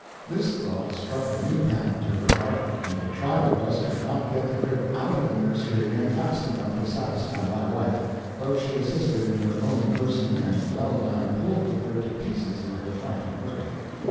This thought struck a new panic to her heart, and the tribe of us could not get the crib out of the nursery again fast enough to satisfy my wife, though she assisted in her own person and well nigh pulled the crib to pieces in her frantic hurry.